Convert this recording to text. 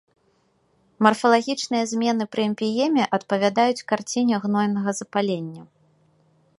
Марфалагічныя змены пры эмпіеме адпавядаюць карціне гнойнага запалення.